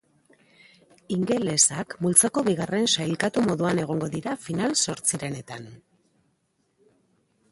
Ingelesak multzoko bigarren sailkatu moduan egongo dira final-zortzirenetan.